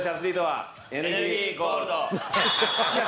エネルギーゴールド。